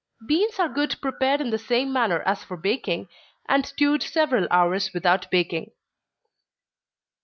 Beans are good prepared in the same manner as for baking, and stewed several hours without baking.